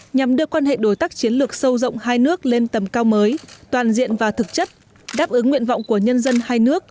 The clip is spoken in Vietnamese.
nhằm đưa quan hệ đối tác chiến lược sâu rộng hai nước lên tầm cao mới toàn diện và thực chất đáp ứng nguyện vọng của nhân dân hai nước